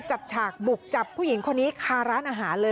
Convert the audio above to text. ฉากบุกจับผู้หญิงคนนี้คาร้านอาหารเลย